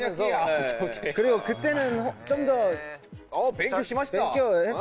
勉強しました！